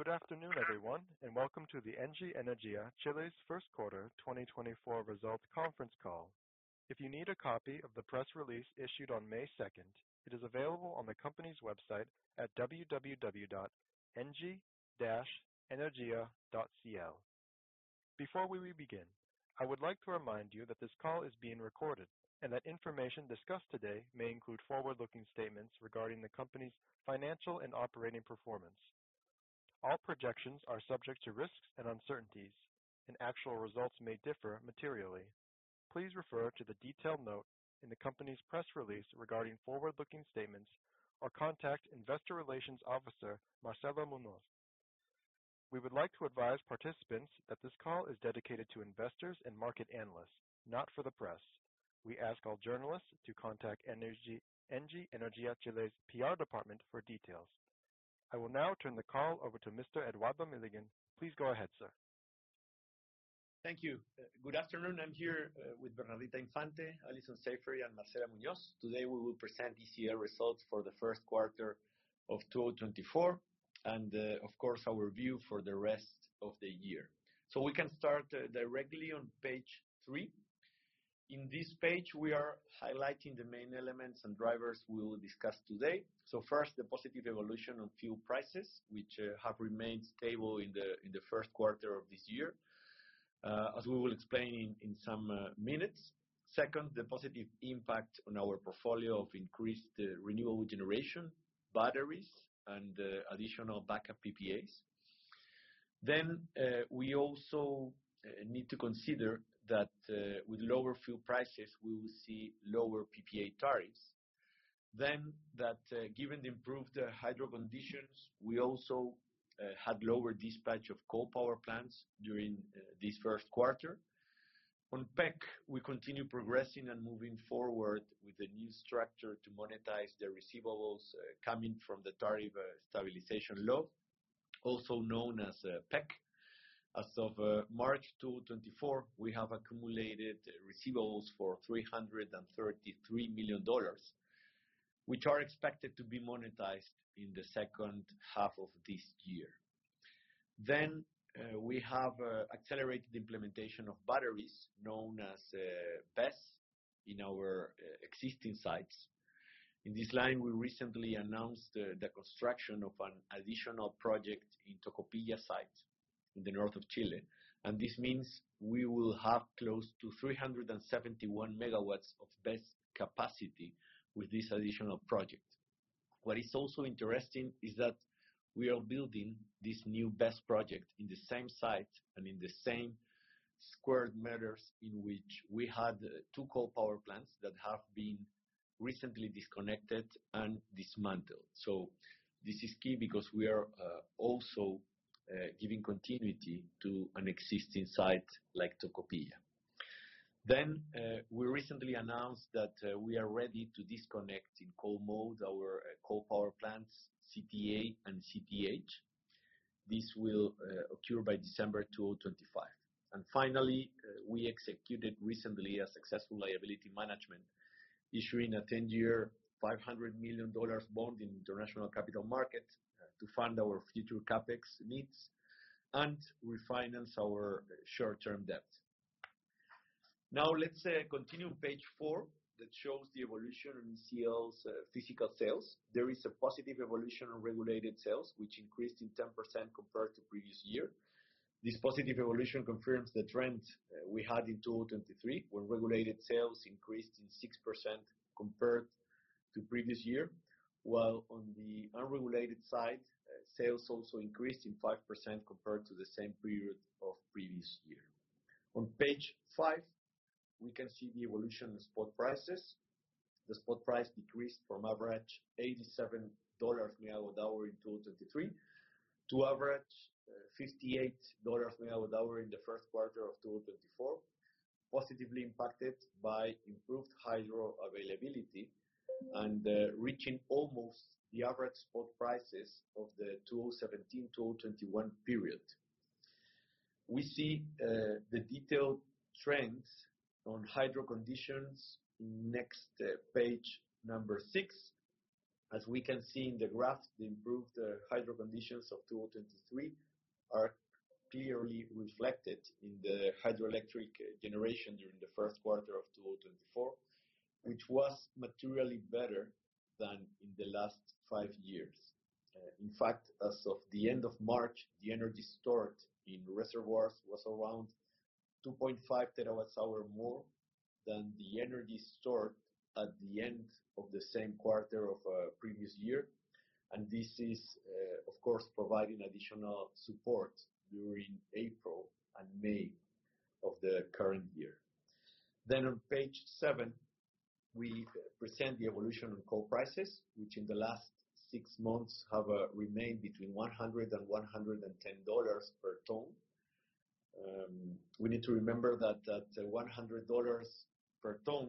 Good afternoon, everyone, and welcome to ENGIE Energía Chile's first-quarter 2024 results conference call. If you need a copy of the press release issued on May 2, it is available on the company's website at www.engie-energia.cl. Before we begin, I would like to remind you that this call is being recorded and that information discussed today may include forward-looking statements regarding the company's financial and operating performance. All projections are subject to risks and uncertainties, and actual results may differ materially. Please refer to the detailed note in the company's press release regarding forward-looking statements or contact Investor Relations Officer Marcela Muñoz. We would like to advise participants that this call is dedicated to investors and market analysts, not for the press. We ask all journalists to contact ENGIE Energía Chile's PR department for details. I will now turn the call over to Mr. Eduardo Milligan. Please go ahead, sir. Thank you. Good afternoon. I'm here with Bernardita Infante, Alison Saffery, and Marcela Muñoz. Today we will present ECL results for the first quarter of 2024 and, of course, our view for the rest of the year. So we can start directly on page 3. In this page, we are highlighting the main elements and drivers we will discuss today. So first, the positive evolution on fuel prices, which have remained stable in the first quarter of this year, as we will explain in some minutes. Second, the positive impact on our portfolio of increased renewable generation, batteries, and additional backup PPAs. Then we also need to consider that with lower fuel prices, we will see lower PPA tariffs. Then that given the improved hydro conditions, we also had lower dispatch of coal power plants during this first quarter. On PEC, we continue progressing and moving forward with a new structure to monetize the receivables coming from the Tariff Stabilization Law, also known as PEC. As of March 2024, we have accumulated receivables for $333 million, which are expected to be monetized in the second half of this year. Then we have accelerated implementation of batteries, known as BESS, in our existing sites. In this line, we recently announced the construction of an additional project in Tocopilla site in the north of Chile, and this means we will have close to 371 MW of BESS capacity with this additional project. What is also interesting is that we are building this new BESS project in the same site and in the same square meters in which we had two coal power plants that have been recently disconnected and dismantled. So this is key because we are also giving continuity to an existing site like Tocopilla. Then we recently announced that we are ready to disconnect in coal mode our coal power plants, CTA and CTH. This will occur by December 2025. And finally, we executed recently a successful liability management issuing a 10-year, $500 million bond in international capital markets to fund our future CapEx needs and refinance our short-term debt. Now let's continue on page 4 that shows the evolution in ECL's physical sales. There is a positive evolution on regulated sales, which increased in 10% compared to previous year. This positive evolution confirms the trend we had in 2023 when regulated sales increased in 6% compared to previous year, while on the unregulated side, sales also increased in 5% compared to the same period of previous year. On page 5, we can see the evolution in spot prices. The spot price decreased from average $87/MWh in 2023 to average $58/MWh in the first quarter of 2024, positively impacted by improved hydro availability and reaching almost the average spot prices of the 2017-2021 period. We see the detailed trends on hydro conditions next page number 6. As we can see in the graph, the improved hydro conditions of 2023 are clearly reflected in the hydroelectric generation during the first quarter of 2024, which was materially better than in the last five years. In fact, as of the end of March, the energy stored in reservoirs was around 2.5 TWh more than the energy stored at the end of the same quarter of previous year, and this is, of course, providing additional support during April and May of the current year. Then on page 7, we present the evolution on coal prices, which in the last six months have remained between $100 and $110 per ton. We need to remember that at $100 per ton,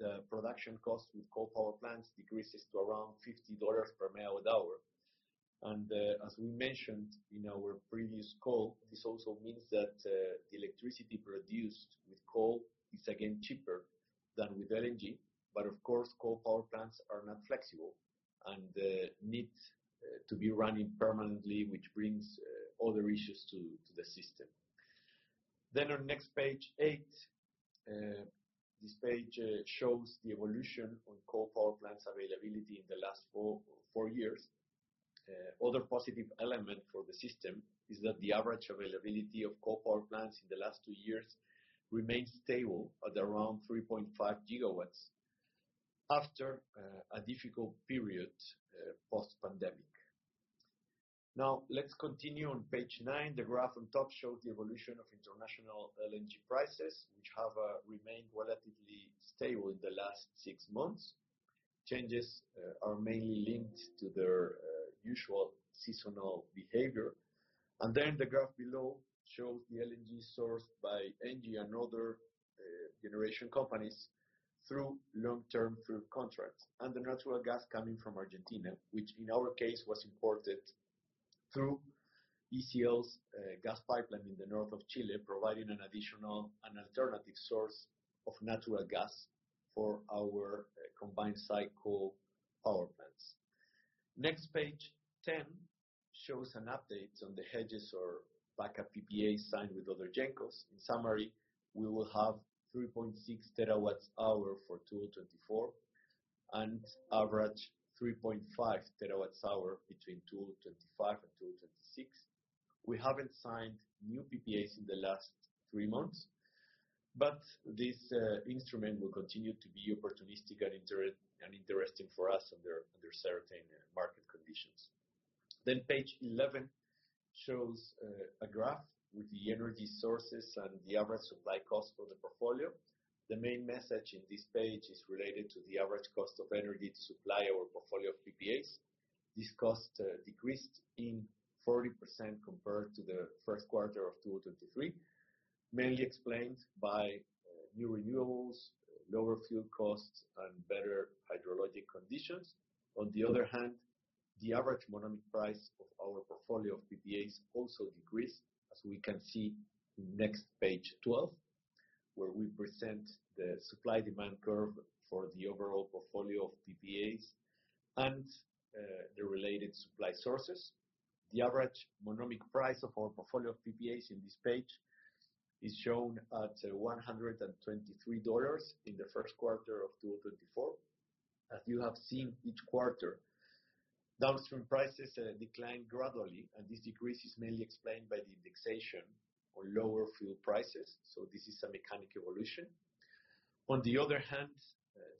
the production cost with coal power plants decreases to around $50 per MWh. As we mentioned in our previous call, this also means that the electricity produced with coal is again cheaper than with LNG, but of course, coal power plants are not flexible and need to be running permanently, which brings other issues to the system. Then on page 8, this page shows the evolution on coal power plants availability in the last four years. Other positive element for the system is that the average availability of coal power plants in the last two years remains stable at around 3.5 GW after a difficult period post-pandemic. Now let's continue on page 9. The graph on top shows the evolution of international LNG prices, which have remained relatively stable in the last six months. Changes are mainly linked to their usual seasonal behavior. The graph below shows the LNG sourced by ENGIE and other generation companies through long-term fuel contracts and the natural gas coming from Argentina, which in our case was imported through ECL's gas pipeline in the north of Chile, providing an additional and alternative source of natural gas for our combined site coal power plants. Next page 10 shows an update on the hedges or backup PPA signed with other Gencos. In summary, we will have 3.6 TWh for 2024 and average 3.5 TWh between 2025 and 2026. We haven't signed new PPAs in the last three months, but this instrument will continue to be opportunistic and interesting for us under certain market conditions. Page 11 shows a graph with the energy sources and the average supply cost for the portfolio. The main message in this page is related to the average cost of energy to supply our portfolio of PPAs. This cost decreased in 40% compared to the first quarter of 2023, mainly explained by new renewables, lower fuel costs, and better hydrologic conditions. On the other hand, the average monomic price of our portfolio of PPAs also decreased, as we can see in next page 12, where we present the supply-demand curve for the overall portfolio of PPAs and the related supply sources. The average monomic price of our portfolio of PPAs in this page is shown at $123 in the first quarter of 2024. As you have seen each quarter, downstream prices decline gradually, and this decrease is mainly explained by the indexation on lower fuel prices. So this is a mechanical evolution. On the other hand,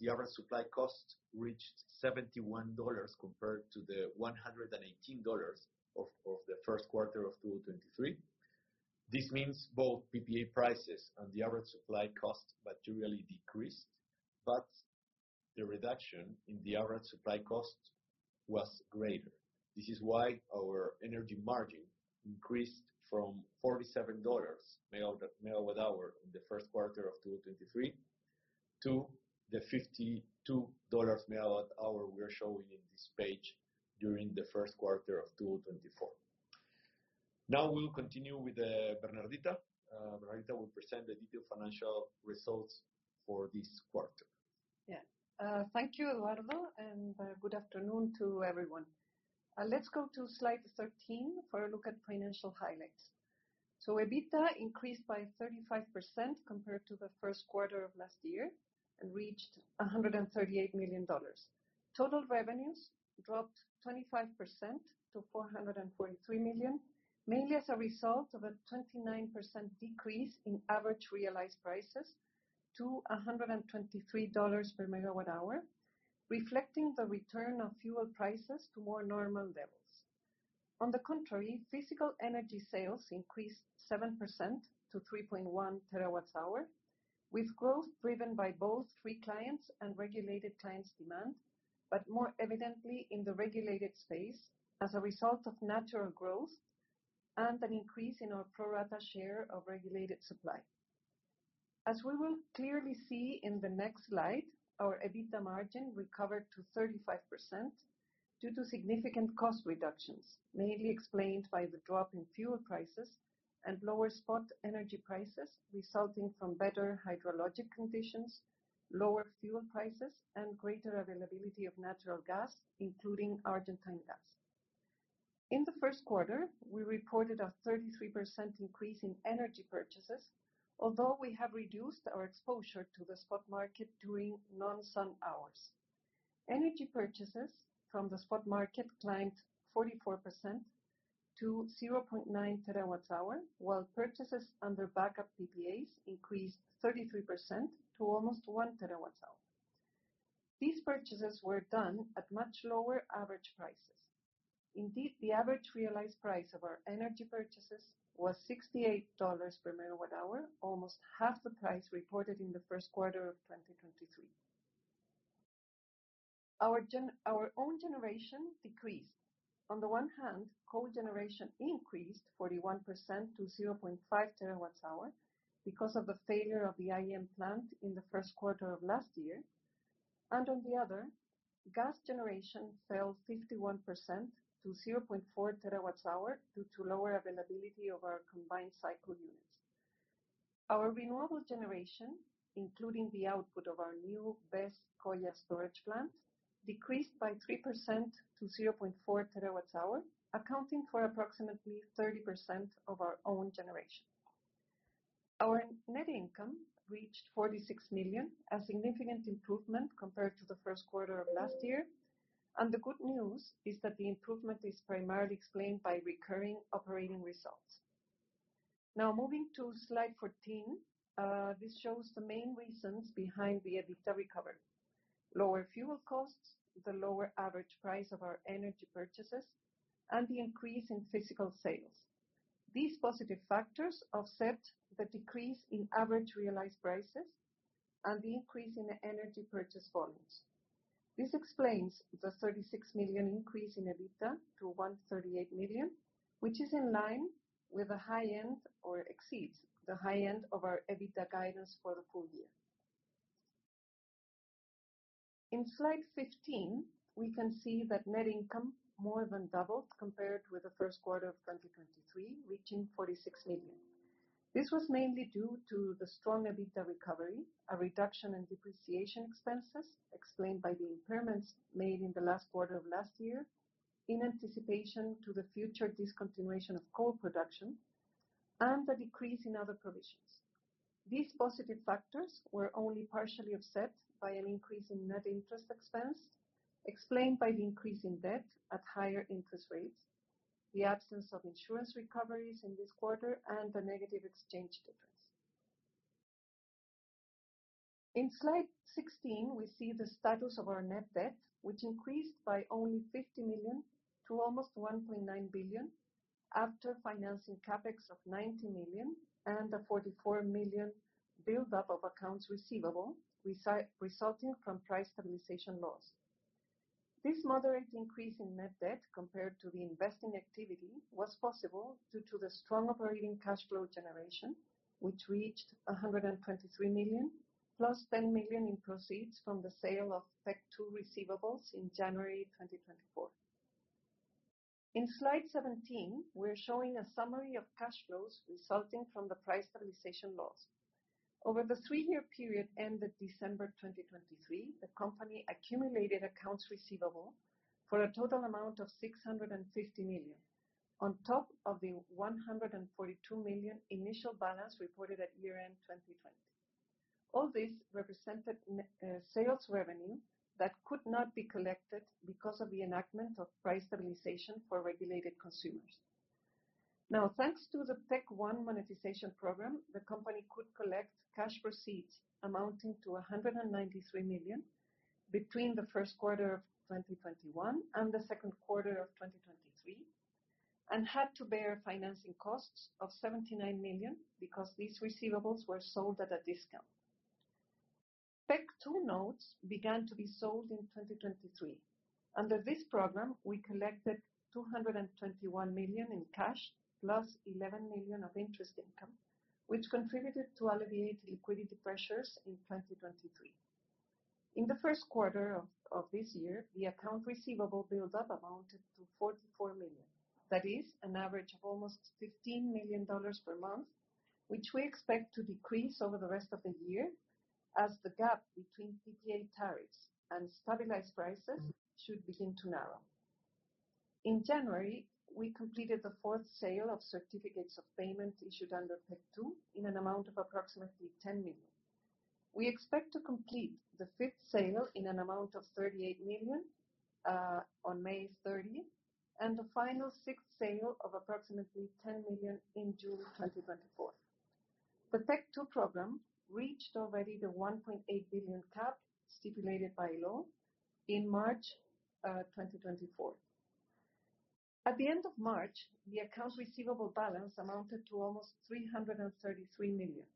the average supply cost reached $71 compared to the $118 of the first quarter of 2023. This means both PPA prices and the average supply cost materially decreased, but the reduction in the average supply cost was greater. This is why our energy margin increased from $47/MWh in the first quarter of 2023 to the $52/MWh we are showing in this page during the first quarter of 2024. Now we'll continue with Bernardita. Bernardita will present the detailed financial results for this quarter. Yeah. Thank you, Eduardo, and good afternoon to everyone. Let's go to slide 13 for a look at financial highlights. EBITDA increased by 35% compared to the first quarter of last year and reached $138 million. Total revenues dropped 25% to $443 million, mainly as a result of a 29% decrease in average realized prices to $123 per MWh, reflecting the return of fuel prices to more normal levels. On the contrary, physical energy sales increased 7% to 3.1 TWh, with growth driven by both free clients and regulated clients' demand, but more evidently in the regulated space as a result of natural growth and an increase in our pro rata share of regulated supply. As we will clearly see in the next slide, our EBITDA margin recovered to 35% due to significant cost reductions, mainly explained by the drop in fuel prices and lower spot energy prices resulting from better hydrologic conditions, lower fuel prices, and greater availability of natural gas, including Argentine gas. In the first quarter, we reported a 33% increase in energy purchases, although we have reduced our exposure to the spot market during non-sun hours. Energy purchases from the spot market climbed 44% to 0.9 TWh, while purchases under backup PPAs increased 33% to almost 1 TWh. These purchases were done at much lower average prices. Indeed, the average realized price of our energy purchases was $68 per MWh, almost half the price reported in the first quarter of 2023. Our own generation decreased. On the one hand, coal generation increased 41% to 0.5 TWh because of the failure of the IEM plant in the first quarter of last year. On the other, gas generation fell 51% to 0.4 TWh due to lower availability of our combined cycle units. Our renewable generation, including the output of our new BESS Coya storage plant, decreased by 3% to 0.4 TWh, accounting for approximately 30% of our own generation. Our net income reached $46 million, a significant improvement compared to the first quarter of last year. The good news is that the improvement is primarily explained by recurring operating results. Now moving to slide 14, this shows the main reasons behind the EBITDA recovery: lower fuel costs, the lower average price of our energy purchases, and the increase in physical sales. These positive factors offset the decrease in average realized prices and the increase in energy purchase volumes. This explains the $36 million increase in EBITDA to $138 million, which is in line with the high end or exceeds the high end of our EBITDA guidance for the full year. In slide 15, we can see that net income more than doubled compared with the first quarter of 2023, reaching $46 million. This was mainly due to the strong EBITDA recovery, a reduction in depreciation expenses explained by the impairments made in the last quarter of last year in anticipation to the future discontinuation of coal production, and a decrease in other provisions. These positive factors were only partially offset by an increase in net interest expense explained by the increase in debt at higher interest rates, the absence of insurance recoveries in this quarter, and a negative exchange difference. In slide 16, we see the status of our net debt, which increased by only $50 million to almost $1.9 billion after financing Capex of $90 million and a $44 million buildup of accounts receivable resulting from price stabilization laws. This moderate increase in net debt compared to the investing activity was possible due to the strong operating cash flow generation, which reached $123 million, plus $10 million in proceeds from the sale of PEC-2 receivables in January 2024. In slide 17, we're showing a summary of cash flows resulting from the price stabilization laws. Over the three-year period ended December 2023, the company accumulated accounts receivable for a total amount of $650 million, on top of the $142 million initial balance reported at year-end 2020. All this represented sales revenue that could not be collected because of the enactment of price stabilization for regulated consumers. Now, thanks to the PEC-1 monetization program, the company could collect cash proceeds amounting to $193 million between the first quarter of 2021 and the second quarter of 2023 and had to bear financing costs of $79 million because these receivables were sold at a discount. PEC-2 notes began to be sold in 2023. Under this program, we collected $221 million in cash plus $11 million of interest income, which contributed to alleviate liquidity pressures in 2023. In the first quarter of this year, the account receivable buildup amounted to $44 million. That is an average of almost $15 million per month, which we expect to decrease over the rest of the year as the gap between PPA tariffs and stabilized prices should begin to narrow. In January, we completed the fourth sale of certificates of payment issued under PEC-2 in an amount of approximately $10 million. We expect to complete the fifth sale in an amount of $38 million on May 30 and the final sixth sale of approximately $10 million in June 2024. The PEC-2 program reached already the $1.8 billion cap stipulated by law in March 2024. At the end of March, the account receivable balance amounted to almost $333 million.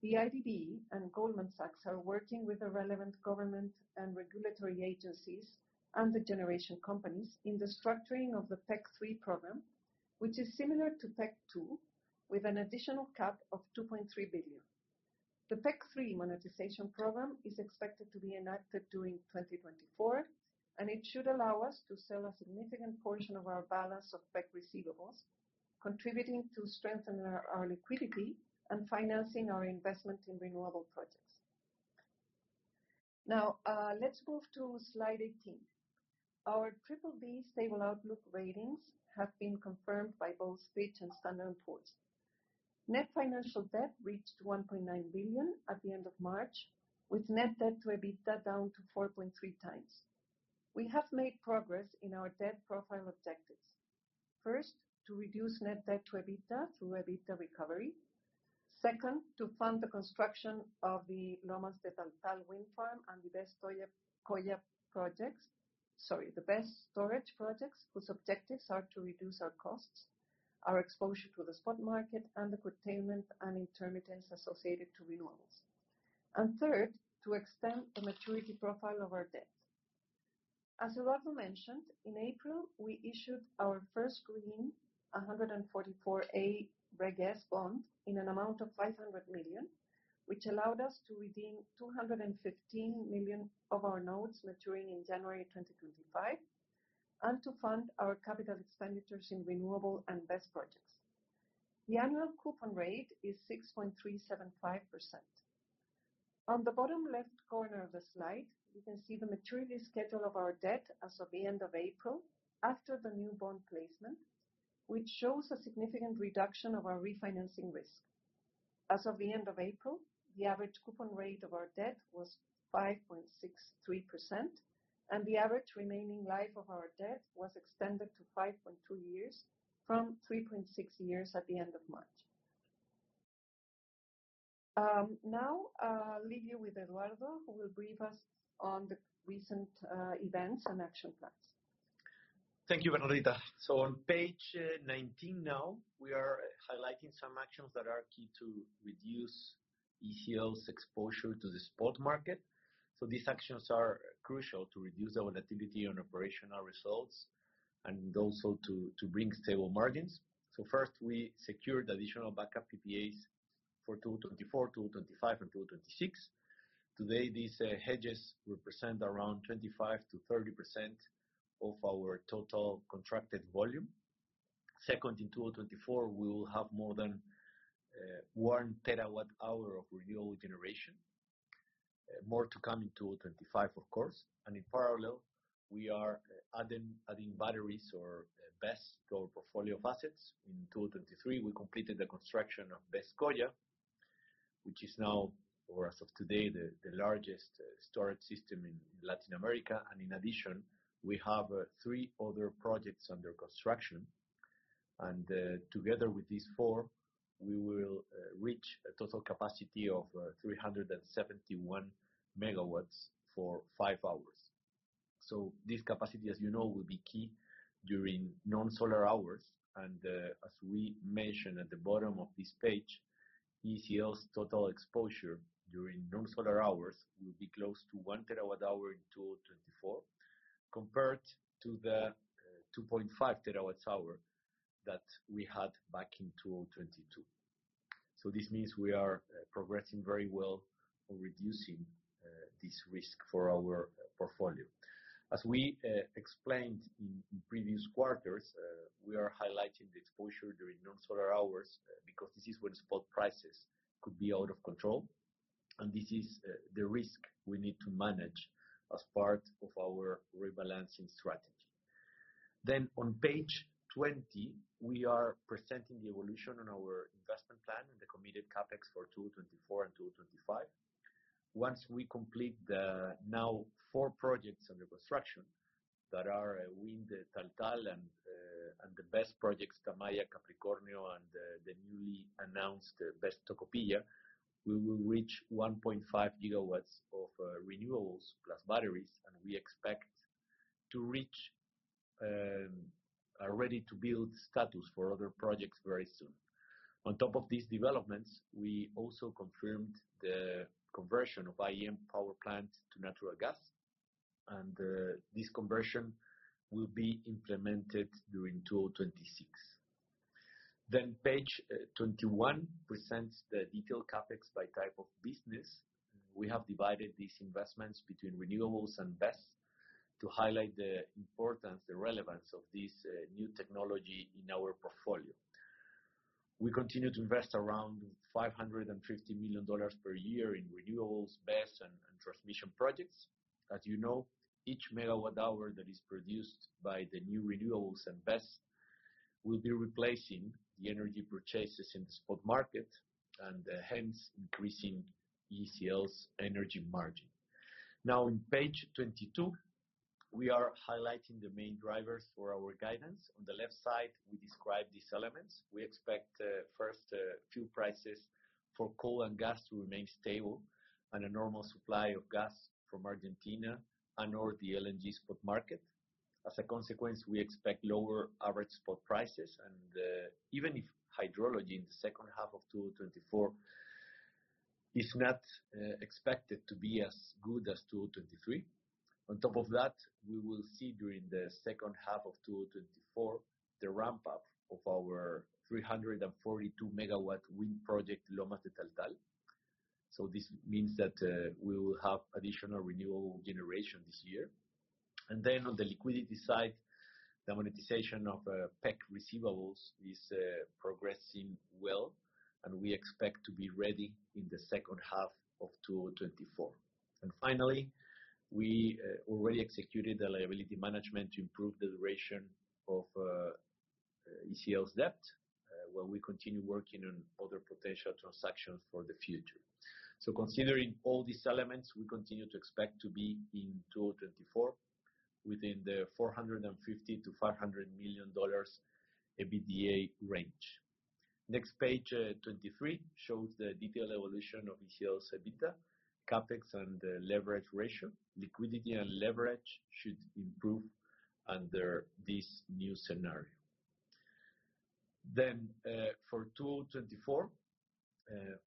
The IDB and Goldman Sachs are working with the relevant government and regulatory agencies and the generation companies in the structuring of the PEC-3 program, which is similar to PEC-2 with an additional cap of $2.3 billion. The PEC-3 monetization program is expected to be enacted during 2024, and it should allow us to sell a significant portion of our balance of PEC receivables, contributing to strengthening our liquidity and financing our investment in renewable projects. Now let's move to slide 18. Our BBB stable outlook ratings have been confirmed by both Fitch and Standard & Poor's. Net financial debt reached $1.9 billion at the end of March, with net debt to EBITDA down to 4.3 times. We have made progress in our debt profile objectives. First, to reduce net debt to EBITDA through EBITDA recovery. Second, to fund the construction of the Lomas de Taltal wind farm and the BESS Coya projects, sorry, the BESS storage projects, whose objectives are to reduce our costs, our exposure to the spot market, and the containment and intermittency associated to renewables. And third, to extend the maturity profile of our debt. As Eduardo mentioned, in April, we issued our first green 144A Reg S bond in an amount of $500 million, which allowed us to redeem $215 million of our notes maturing in January 2025 and to fund our capital expenditures in renewable and BESS projects. The annual coupon rate is 6.375%. On the bottom left corner of the slide, you can see the maturity schedule of our debt as of the end of April after the new bond placement, which shows a significant reduction of our refinancing risk. As of the end of April, the average coupon rate of our debt was 5.63%, and the average remaining life of our debt was extended to 5.2 years from 3.6 years at the end of March. Now leave you with Eduardo, who will brief us on the recent events and action plans. Thank you, Bernardita. On page 19 now, we are highlighting some actions that are key to reduce ECL's exposure to the spot market. These actions are crucial to reduce the volatility on operational results and also to bring stable margins. First, we secured additional backup PPAs for 2024, 2025, and 2026. Today, these hedges represent around 25%-30% of our total contracted volume. Second, in 2024, we will have more than 1 terawatt-hour of renewable generation, more to come in 2025, of course. In parallel, we are adding batteries or BESS to our portfolio of assets. In 2023, we completed the construction of BESS Coya, which is now, or as of today, the largest storage system in Latin America. In addition, we have three other projects under construction. Together with these four, we will reach a total capacity of 371 MW for 5 hours. This capacity, as you know, will be key during non-solar hours. As we mentioned at the bottom of this page, ECL's total exposure during non-solar hours will be close to 1 TWh in 2024 compared to the 2.5 TWh that we had back in 2022. This means we are progressing very well on reducing this risk for our portfolio. As we explained in previous quarters, we are highlighting the exposure during non-solar hours because this is when spot prices could be out of control, and this is the risk we need to manage as part of our rebalancing strategy. On page 20, we are presenting the evolution on our investment plan and the committed CapEx for 2024 and 2025. Once we complete the now four projects under construction that are Lomas de Taltal and the BESS projects, Tamaya, Capricornio, and the newly announced BESS Tocopilla, we will reach 1.5 gigawatts of renewables plus batteries, and we expect to reach a ready-to-build status for other projects very soon. On top of these developments, we also confirmed the conversion of IEM power plants to natural gas, and this conversion will be implemented during 2026. Page 21 presents the detailed CapEx by type of business. We have divided these investments between renewables and BESS to highlight the importance, the relevance of this new technology in our portfolio. We continue to invest around $550 million per year in renewables, BESS, and transmission projects. As you know, each megawatt-hour that is produced by the new renewables and BESS will be replacing the energy purchases in the spot market and hence increasing ECL's energy margin. Now, on page 22, we are highlighting the main drivers for our guidance. On the left side, we describe these elements. We expect, first, fuel prices for coal and gas to remain stable and a normal supply of gas from Argentina and/or the LNG spot market. As a consequence, we expect lower average spot prices, even if hydrology in the second half of 2024 is not expected to be as good as 2023. On top of that, we will see during the second half of 2024 the ramp-up of our 342-megawatt wind project, Lomas de Taltal. So this means that we will have additional renewable generation this year. And then on the liquidity side, the monetization of PEC receivables is progressing well, and we expect to be ready in the second half of 2024. And finally, we already executed the liability management to improve the duration of ECL's debt, where we continue working on other potential transactions for the future. So considering all these elements, we continue to expect to be in 2024 within the $450-$500 million EBITDA range. Next page, 23, shows the detailed evolution of ECL's EBITDA, capex, and leverage ratio. Liquidity and leverage should improve under this new scenario. Then for 2024,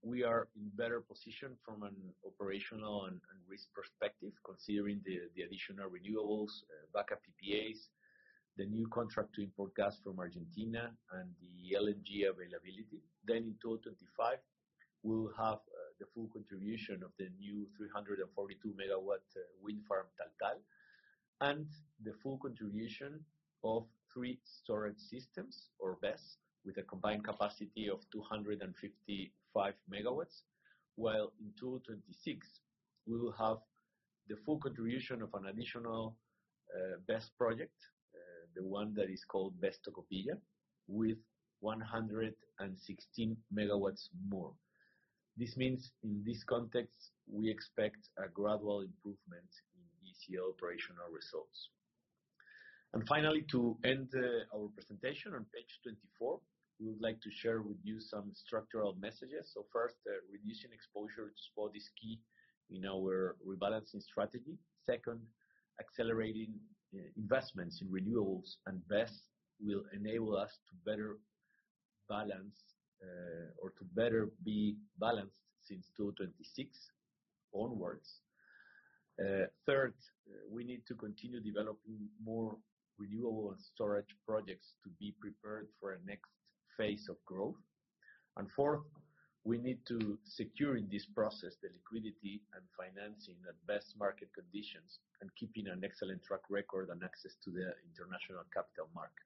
we are in better position from an operational and risk perspective, considering the additional renewables, backup PPAs, the new contract to import gas from Argentina, and the LNG availability. Then in 2025, we will have the full contribution of the new 342-megawatt wind farm Taltal and the full contribution of three storage systems or BESS with a combined capacity of 255 megawatts. While in 2026, we will have the full contribution of an additional BESS project, the one that is called BESS Tocopilla, with 116 MW more. This means, in this context, we expect a gradual improvement in EBITDA operational results. And finally, to end our presentation, on page 24, we would like to share with you some structural messages. So first, reducing exposure to spot is key in our rebalancing strategy. Second, accelerating investments in renewables and BESS will enable us to better balance or to better be balanced since 2026 onwards. Third, we need to continue developing more renewable and storage projects to be prepared for a next phase of growth. And fourth, we need to secure, in this process, the liquidity and financing at best market conditions and keeping an excellent track record and access to the international capital market.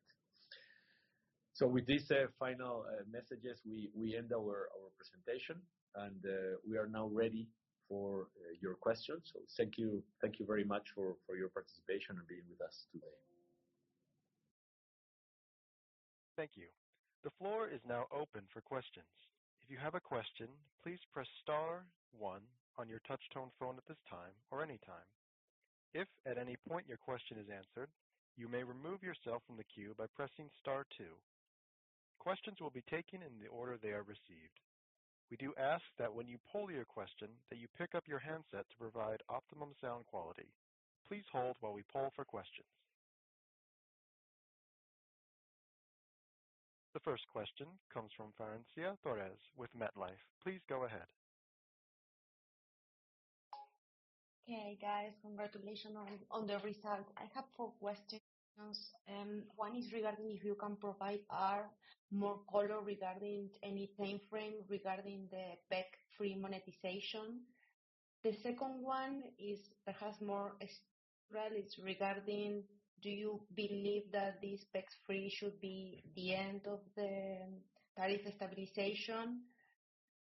With these final messages, we end our presentation, and we are now ready for your questions. Thank you very much for your participation and being with us today. Thank you. The floor is now open for questions. If you have a question, please press star one on your touch-tone phone at this time or anytime. If at any point your question is answered, you may remove yourself from the queue by pressing star two. Questions will be taken in the order they are received. We do ask that when you pose your question, that you pick up your handset to provide optimum sound quality. Please hold while we poll for questions. The first question comes from Francia Torres with MetLife. Please go ahead. Okay, guys. Congratulations on the results. I have four questions. One is regarding if you can provide more color regarding any timeframe regarding the PEC 3 monetization. The second one is perhaps more structural. It's regarding, do you believe that this PEC 3 should be the end of the tariff stabilization?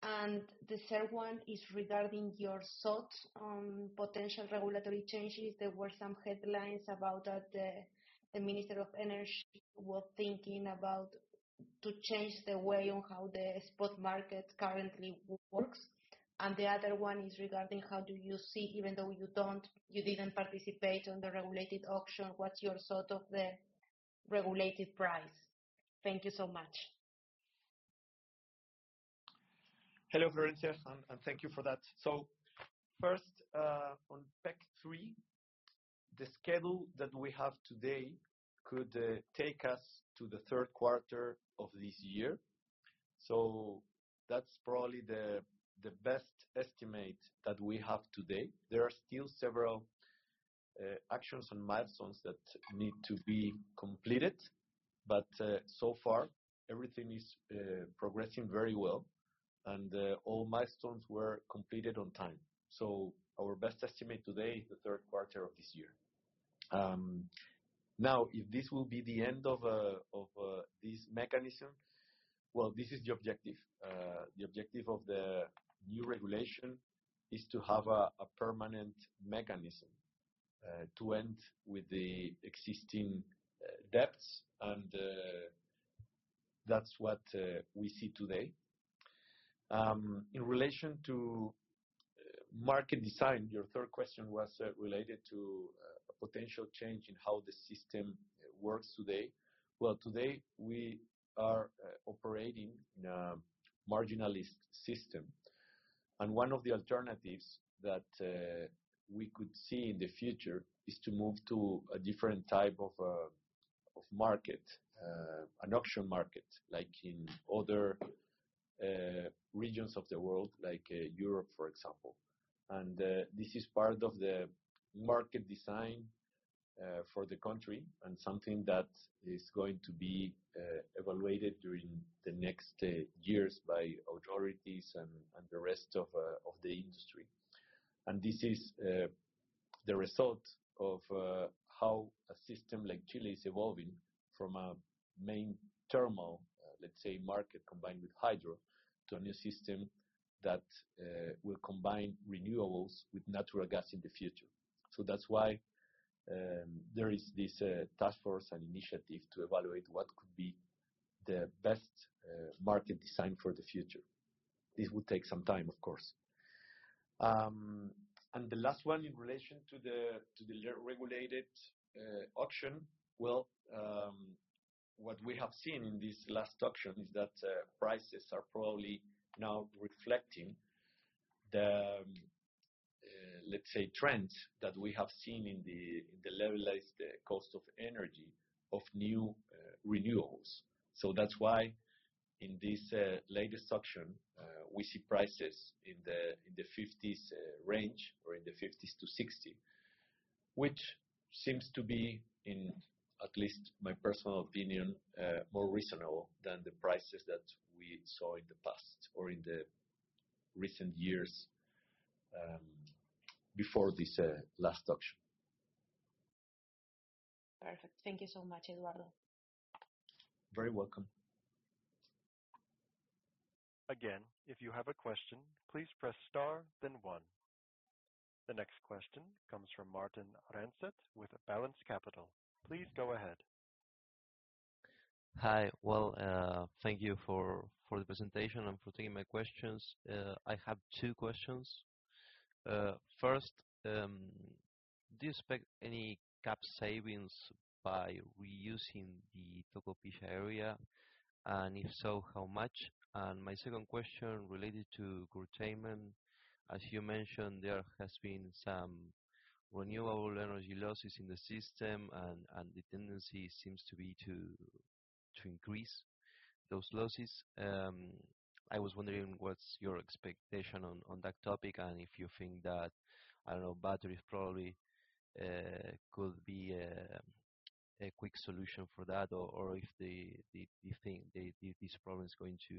And the third one is regarding your thoughts on potential regulatory changes. There were some headlines about that the Minister of Energy was thinking about changing the way on how the spot market currently works. And the other one is regarding, how do you see, even though you didn't participate in the regulated auction, what's your thought of the regulated price? Thank you so much. Hello, Francia, and thank you for that. First, on PEC 3, the schedule that we have today could take us to the third quarter of this year. That's probably the best estimate that we have today. There are still several actions and milestones that need to be completed, but so far, everything is progressing very well, and all milestones were completed on time. Our best estimate today is the third quarter of this year. Now, if this will be the end of this mechanism. Well, this is the objective. The objective of the new regulation is to have a permanent mechanism to end with the existing debts, and that's what we see today. In relation to market design, your third question was related to a potential change in how the system works today. Well, today, we are operating in a marginalist system, and one of the alternatives that we could see in the future is to move to a different type of market, an auction market, like in other regions of the world, like Europe, for example. This is part of the market design for the country and something that is going to be evaluated during the next years by authorities and the rest of the industry. This is the result of how a system like Chile is evolving from a main thermal, let's say, market combined with hydro to a new system that will combine renewables with natural gas in the future. That's why there is this task force and initiative to evaluate what could be the best market design for the future. This will take some time, of course. The last one in relation to the regulated auction, what we have seen in this last auction is that prices are probably now reflecting the, let's say, trends that we have seen in the levelized cost of energy of new renewables. So that's why in this latest auction, we see prices in the $50s range or in the $50s-$60, which seems to be, in at least my personal opinion, more reasonable than the prices that we saw in the past or in the recent years before this last auction. Perfect. Thank you so much, Eduardo. Very welcome. Again, if you have a question, please press star, then one. The next question comes from Martín Arancet with Balanz Capital. Please go ahead. Hi. Well, thank you for the presentation and for taking my questions. I have two questions. First, do you expect any Capex savings by reusing the Tocopilla area, and if so, how much? And my second question related to curtailment. As you mentioned, there has been some renewable energy losses in the system, and the tendency seems to be to increase those losses. I was wondering what's your expectation on that topic and if you think that, I don't know, batteries probably could be a quick solution for that or if you think this problem is going to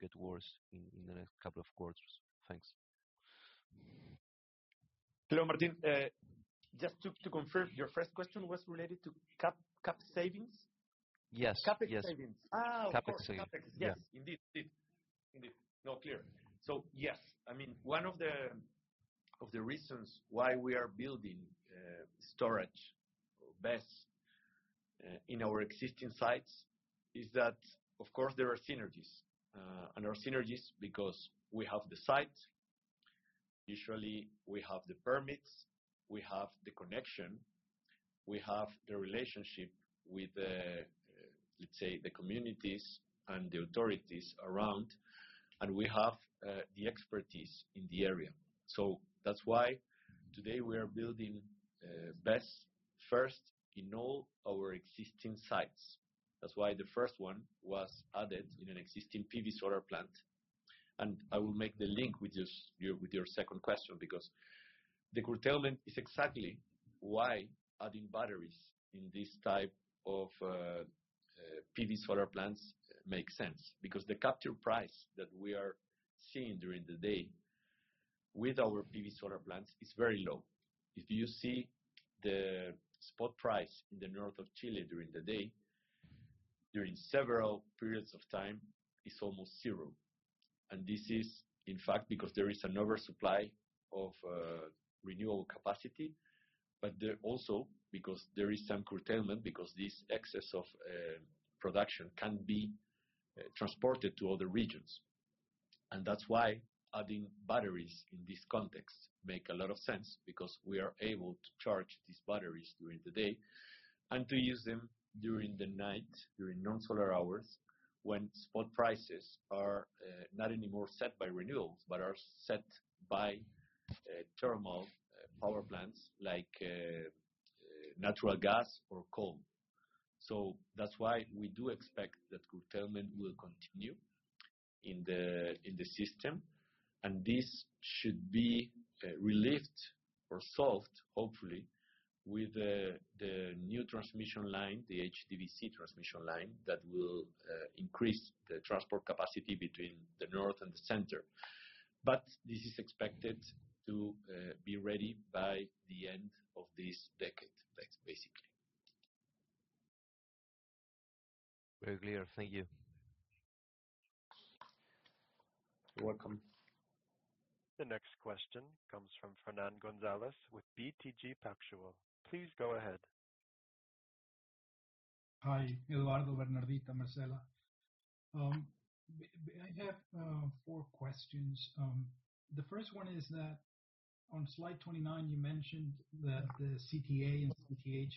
get worse in the next couple of quarters. Thanks. Hello, Martín. Just to confirm, your first question was related to Capex savings? Yes. Capex savings? Yes. Oh, of course. Capex savings. Capex. Yes. Indeed. Indeed. Indeed. No, clear. So yes. I mean, one of the reasons why we are building storage, BESS, in our existing sites is that, of course, there are synergies. And there are synergies because we have the site. Usually, we have the permits. We have the connection. We have the relationship with, let's say, the communities and the authorities around, and we have the expertise in the area. So that's why today we are building BESS first in all our existing sites. That's why the first one was added in an existing PV solar plant. And I will make the link with your second question because the curtailment is exactly why adding batteries in this type of PV solar plants makes sense because the capture price that we are seeing during the day with our PV solar plants is very low. If you see the spot price in the north of Chile during the day, during several periods of time, it's almost zero. This is, in fact, because there is an oversupply of renewable capacity, but also because there is some curtailment because this excess of production can be transported to other regions. That's why adding batteries in this context makes a lot of sense because we are able to charge these batteries during the day and to use them during the night, during non-solar hours, when spot prices are not anymore set by renewables but are set by thermal power plants like natural gas or coal. That's why we do expect that curtailment will continue in the system, and this should be relieved or solved, hopefully, with the new transmission line, the HVDC transmission line, that will increase the transport capacity between the north and the center. But this is expected to be ready by the end of this decade, basically. Very clear. Thank you. You're welcome. The next question comes from Fernán González with BTG Pactual. Please go ahead. Hi, Eduardo, Bernardita, Marcela. I have four questions. The first one is that on slide 29, you mentioned that the CTA and CTH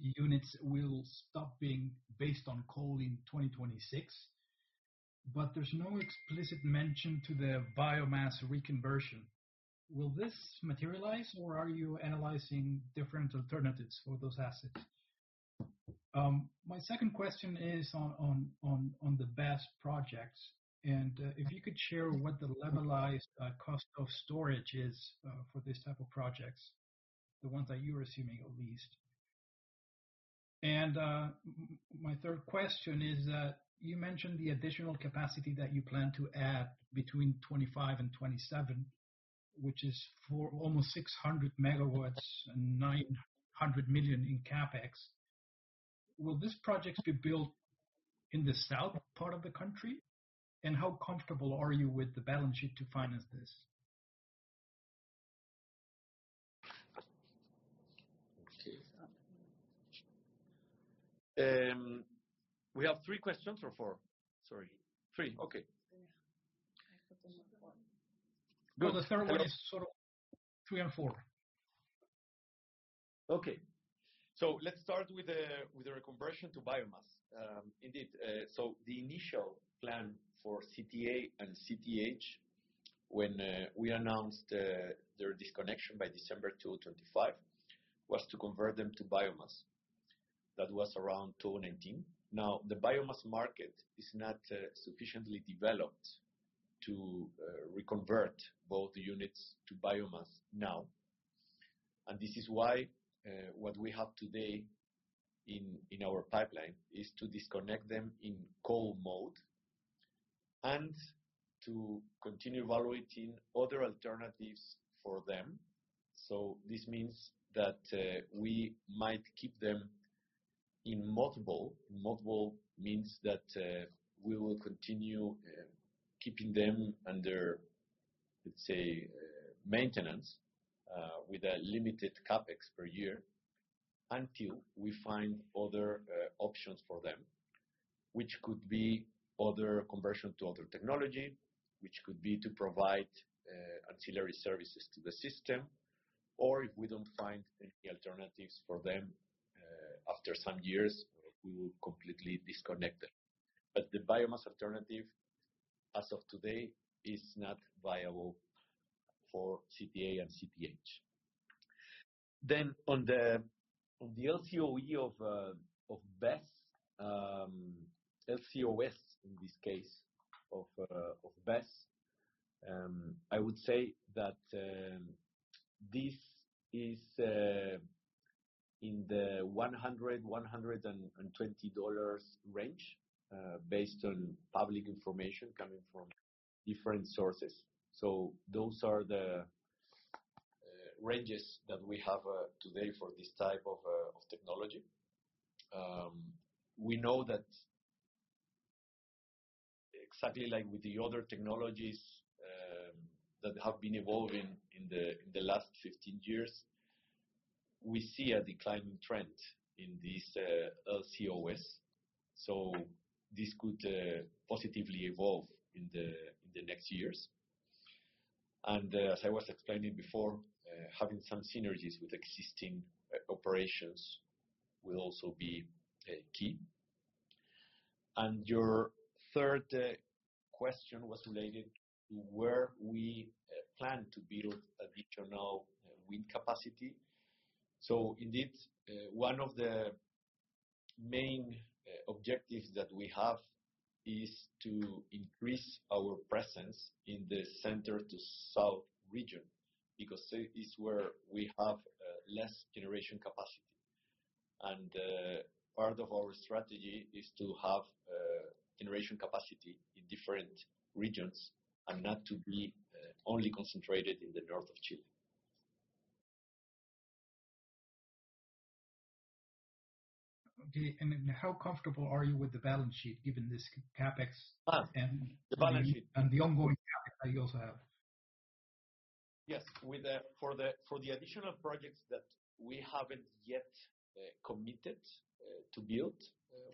units will stop being based on coal in 2026, but there's no explicit mention to the biomass reconversion. Will this materialize, or are you analyzing different alternatives for those assets? My second question is on the BESS projects, and if you could share what the levelized cost of storage is for this type of projects, the ones that you're assuming, at least. And my third question is that you mentioned the additional capacity that you plan to add between 2025 and 2027, which is almost 600 megawatts and $900 million in Capex. Will these projects be built in the south part of the country? And how comfortable are you with the balance sheet to finance this? Okay. We have three questions or four. Sorry. Three. Okay. Yeah. I put them on four. Good. So the third one is sort of three and four. Okay. So let's start with the reconversion to biomass. Indeed. So the initial plan for CTA and CTH, when we announced their disconnection by December 2025, was to convert them to biomass. That was around 2019. Now, the biomass market is not sufficiently developed to reconvert both units to biomass now. And this is why what we have today in our pipeline is to disconnect them in coal mode and to continue evaluating other alternatives for them. So this means that we might keep them in mothball. Mothball means that we will continue keeping them under, let's say, maintenance with a limited CapEx per year until we find other options for them, which could be other conversion to other technology, which could be to provide ancillary services to the system, or if we don't find any alternatives for them after some years, we will completely disconnect them. But the biomass alternative, as of today, is not viable for CTA and CTH. On the LCOE of BESS, LCOS in this case of BESS, I would say that this is in the $100-$120 range based on public information coming from different sources. Those are the ranges that we have today for this type of technology. We know that exactly like with the other technologies that have been evolving in the last 15 years, we see a declining trend in this LCOS. This could positively evolve in the next years. As I was explaining before, having some synergies with existing operations will also be key. Your third question was related to where we plan to build additional wind capacity. Indeed, one of the main objectives that we have is to increase our presence in the center-to-south region because it's where we have less generation capacity. Part of our strategy is to have generation capacity in different regions and not to be only concentrated in the north of Chile. Okay. How comfortable are you with the balance sheet, given this CapEx and the ongoing CapEx that you also have? Yes. For the additional projects that we haven't yet committed to build,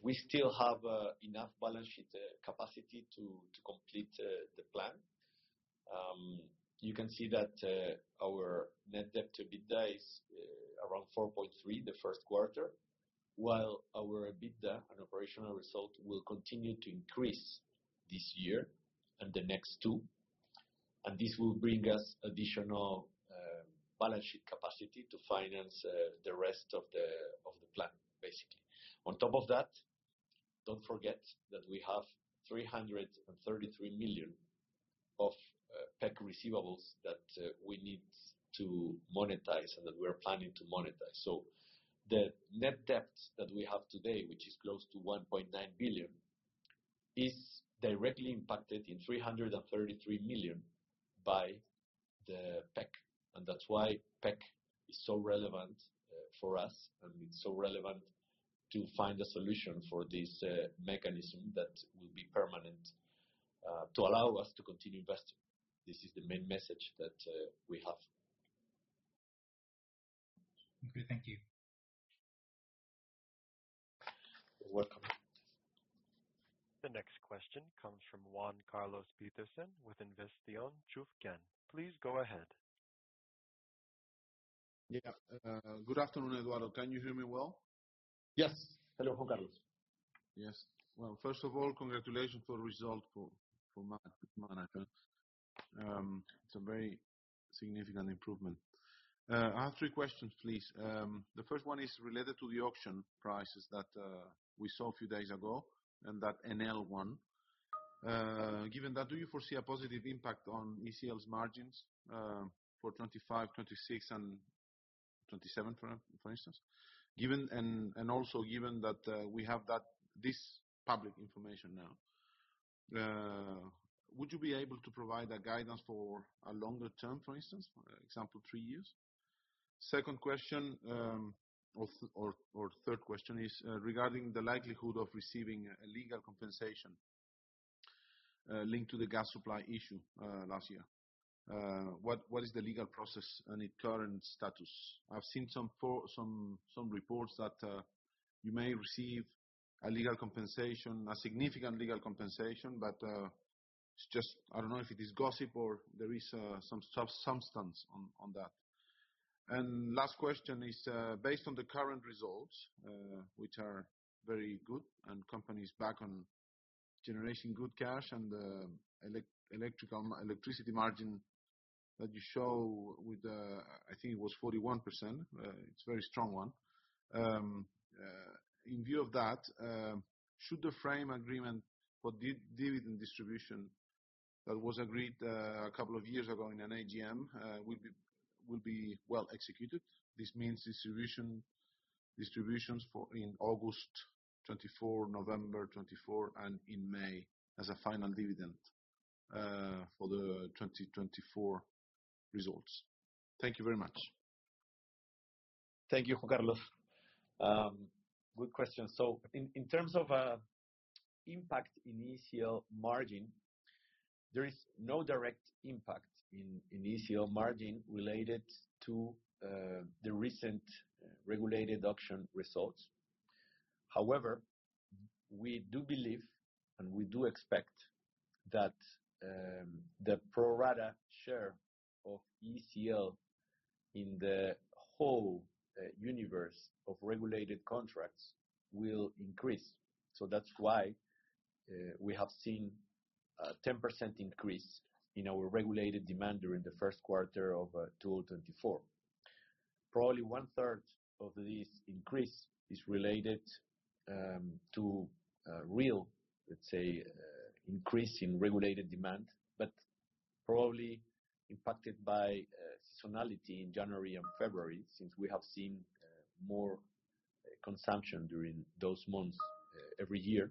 we still have enough balance sheet capacity to complete the plan. You can see that our net debt to EBITDA is around 4.3 the first quarter, while our EBITDA, an operational result, will continue to increase this year and the next two. This will bring us additional balance sheet capacity to finance the rest of the plan, basically. On top of that, don't forget that we have $333 million of PEC receivables that we need to monetize and that we are planning to monetize. The net debt that we have today, which is close to $1.9 billion, is directly impacted in $333 million by the PEC. That's why PEC is so relevant for us, and it's so relevant to find a solution for this mechanism that will be permanent to allow us to continue investing. This is the main message that we have. Okay. Thank you. You're welcome. The next question comes from Juan Carlos Pietersen with Inversiones Chufquén. Please go ahead. Yeah. Good afternoon, Eduardo. Can you hear me well? Yes. Hello, Juan Carlos. Yes. Well, first of all, congratulations for the result for Manhattan. It's a very significant improvement. I have three questions, please. The first one is related to the auction prices that we saw a few days ago and that Enel. Given that, do you foresee a positive impact on ECL's margins for 2025, 2026, and 2027, for instance? And also given that we have this public information now, would you be able to provide guidance for a longer term, for instance, example, three years? Second question or third question is regarding the likelihood of receiving a legal compensation linked to the gas supply issue last year. What is the legal process and its current status? I've seen some reports that you may receive a significant legal compensation, but I don't know if it is gossip or there is some substance on that. Last question is based on the current results, which are very good, and the company is back on generating good cash and electricity margin that you show with, I think, it was 41%. It's a very strong one. In view of that, should the frame agreement for dividend distribution that was agreed a couple of years ago in an AGM be well executed? This means distributions in August 2024, November 2024, and in May as a final dividend for the 2024 results. Thank you very much. Thank you, Juan Carlos. Good question. So in terms of impact in ECL margin, there is no direct impact in ECL margin related to the recent regulated auction results. However, we do believe and we do expect that the pro-rata share of ECL in the whole universe of regulated contracts will increase. So that's why we have seen a 10% increase in our regulated demand during the first quarter of 2024. Probably one-third of this increase is related to real, let's say, increase in regulated demand, but probably impacted by seasonality in January and February since we have seen more consumption during those months every year.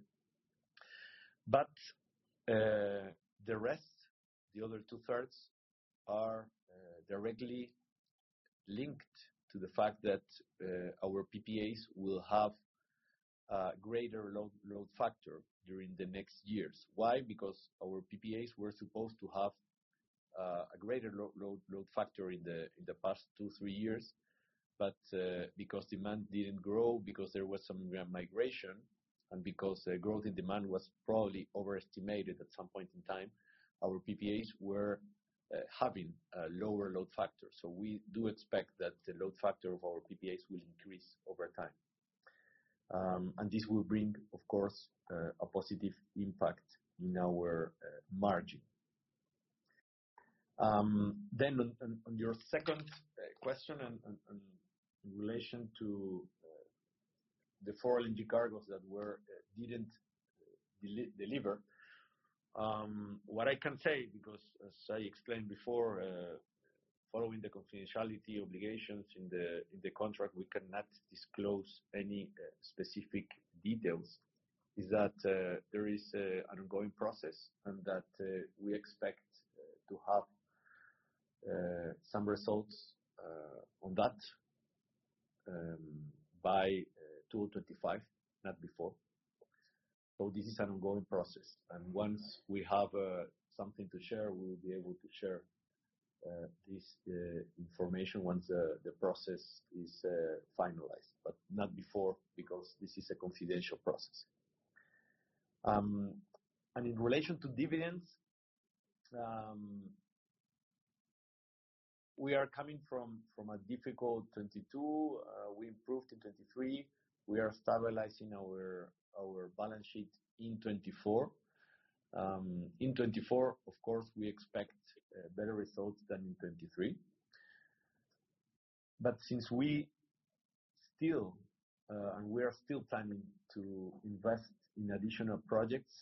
But the rest, the other two-thirds, are directly linked to the fact that our PPAs will have a greater load factor during the next years. Why? Because our PPAs were supposed to have a greater load factor in the past 2-3 years, but because demand didn't grow, because there was some migration, and because growth in demand was probably overestimated at some point in time, our PPAs were having a lower load factor. So we do expect that the load factor of our PPAs will increase over time. And this will bring, of course, a positive impact in our margin. Then on your second question in relation to the foreign cargoes that we didn't deliver, what I can say, because as I explained before, following the confidentiality obligations in the contract, we cannot disclose any specific details, is that there is an ongoing process and that we expect to have some results on that by 2025, not before. So this is an ongoing process. Once we have something to share, we will be able to share this information once the process is finalized, but not before because this is a confidential process. In relation to dividends, we are coming from a difficult 2022. We improved in 2023. We are stabilizing our balance sheet in 2024. In 2024, of course, we expect better results than in 2023. Since we are still planning to invest in additional projects,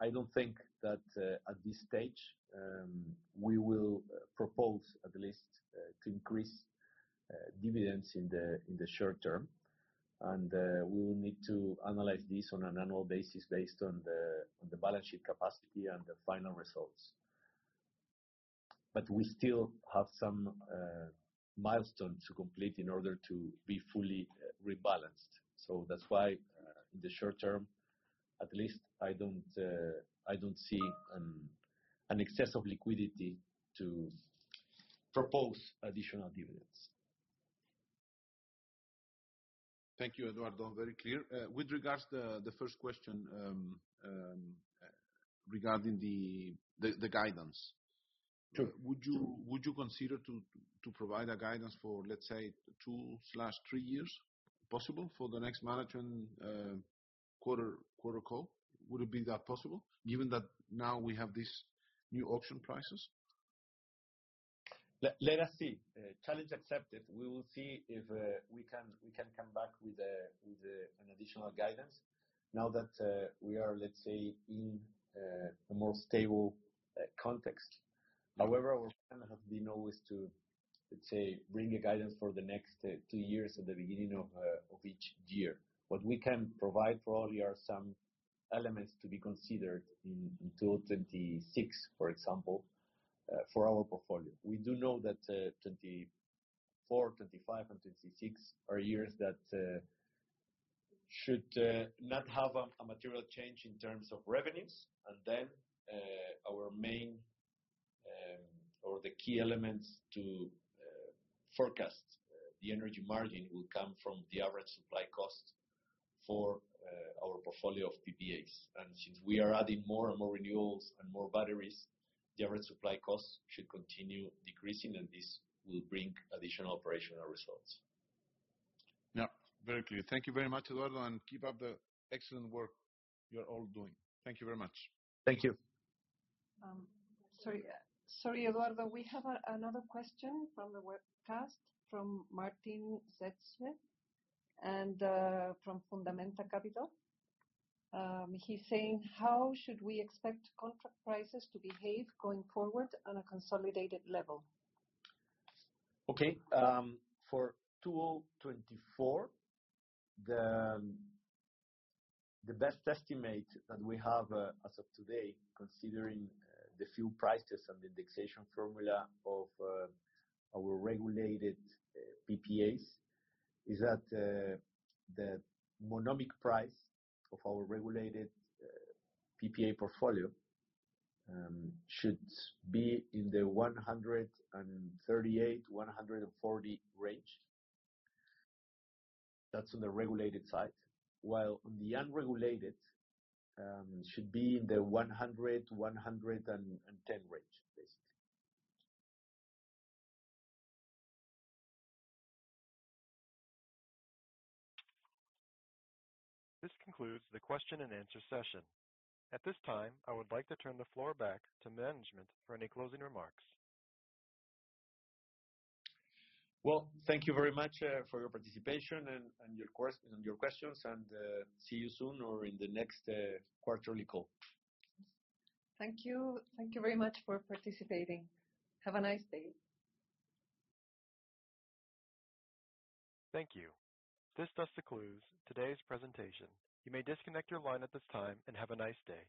I don't think that at this stage, we will propose, at least, to increase dividends in the short term. We will need to analyze this on an annual basis based on the balance sheet capacity and the final results. We still have some milestones to complete in order to be fully rebalanced. That's why in the short term, at least, I don't see an excess of liquidity to propose additional dividends. Thank you, Eduardo. Very clear. With regards to the first question regarding the guidance, would you consider providing guidance for, let's say, 2-3 years, possible, for the next management quarter call? Would it be possible, given that now we have these new auction prices? Let us see. Challenge accepted. We will see if we can come back with an additional guidance now that we are, let's say, in a more stable context. However, our plan has been always to, let's say, bring guidance for the next two years at the beginning of each year. What we can provide probably are some elements to be considered in 2026, for example, for our portfolio. We do know that 2024, 2025, and 2026 are years that should not have a material change in terms of revenues. And then our main or the key elements to forecast the energy margin will come from the average supply cost for our portfolio of PPAs. And since we are adding more and more renewables and more batteries, the average supply cost should continue decreasing, and this will bring additional operational results. Yeah. Very clear. Thank you very much, Eduardo, and keep up the excellent work you're all doing. Thank you very much. Thank you. Sorry, Eduardo. We have another question from the webcast from Martín Seze and from Fundamenta Capital. He's saying, "How should we expect contract prices to behave going forward on a consolidated level? Okay. For 2024, the best estimate that we have as of today, considering the fuel prices and the indexation formula of our regulated PPAs, is that the monomic price of our regulated PPA portfolio should be in the $138-$140 range. That's on the regulated side, while on the unregulated, it should be in the $100-$110 range, basically. This concludes the question-and-answer session. At this time, I would like to turn the floor back to management for any closing remarks. Well, thank you very much for your participation and your questions, and see you soon or in the next quarterly call. Thank you. Thank you very much for participating. Have a nice day. Thank you. This thus concludes today's presentation. You may disconnect your line at this time and have a nice day.